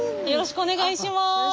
よろしくお願いします。